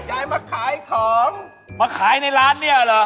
ยายมาขายของมาขายในร้านเนี่ยเหรอ